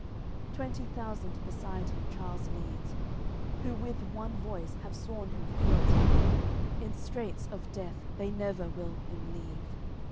Twenty thousand beside him Charles leads, Who with one voice have sworn him fealty; In straits of death they never will him leave.